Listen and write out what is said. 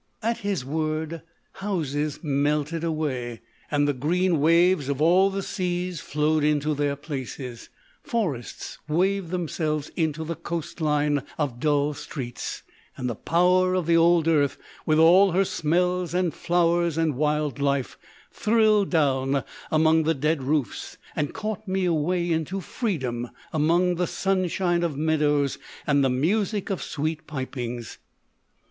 At his word houses melted away, and the green waves of all the seas flowed into their places ; forests waved themselves into the coast line of dull streets ; and the power of the old earth, with all her smells and flowers and wild life, thrilled down among the dead roofs and caught me away into freedom among the~sunshine of meadows and the music of sweet pipings.